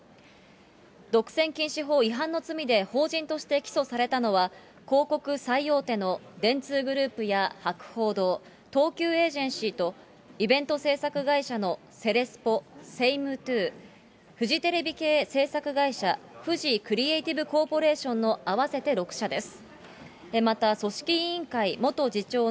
独占禁止法違反の罪で法人として起訴されたのは、広告最大手の電通グループや博報堂、東急エージェンシーと、イベント制作会社のセレスポ、セイムトゥー、フジテレビ系制作会社、フジクリエイティブコーポレーションの合わせて６社です。